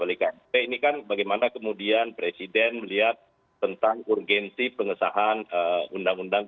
oleh karena ini kan bagaimana kemudian presiden melihat tentang urgensi pengesahan undang undang